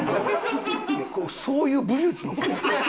そういう武術の子。